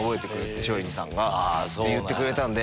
松陰寺さんが。って言ってくれたんで。